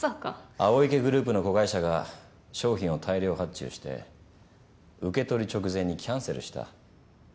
青池グループの子会社が商品を大量発注して受け取り直前にキャンセルした。